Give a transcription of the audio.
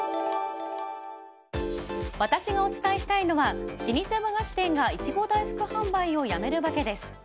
私がお伝えしたいのは老舗和菓子店がイチゴ大福販売をやめるワケです。